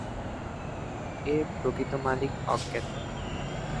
এর প্রকৃত মালিক অজ্ঞাত।